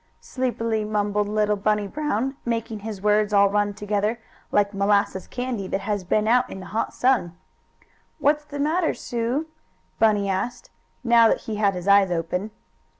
sleepily mumbled little Bunny Brown, making his words all run together, like molasses candy that has been out in the hot sun. "What's the matter, Sue?" Bunny asked, now that he had his eyes open.